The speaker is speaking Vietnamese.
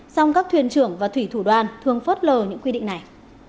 song các thuyền trưởng và thủy thủ đoàn thường phớt lờ những quy định này